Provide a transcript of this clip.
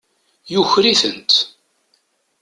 Yuker-ikent.